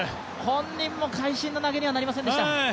本人も会心の投げにはなりませんでした。